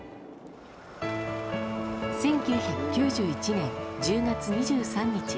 １９９１年１０月２３日